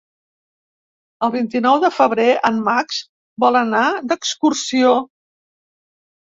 El vint-i-nou de febrer en Max vol anar d'excursió.